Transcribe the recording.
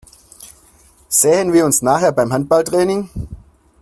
Sehen wir uns nachher beim Handballtraining?